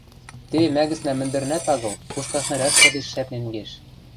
теве мӓ гӹцнӓ мӹндӹрнӓт агыл пушка снаряд пыдешт шӓпнен кеш.